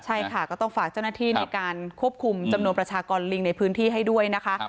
ใช่ค่ะก็ต้องฝากเจ้าหน้าที่ในการควบคุมจำนวนประชากรลิงในพื้นที่ให้ด้วยนะคะ